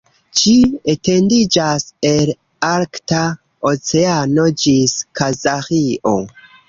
Ĝi etendiĝas el Arkta Oceano ĝis Kazaĥio.